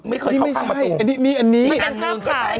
ไม่เคยเข้าข้างมาตูมนี่ไม่ใช่อันนี้อันนี้อันหนึ่ง